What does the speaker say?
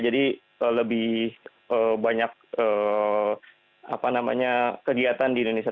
jadi lebih banyak kegiatan di indonesia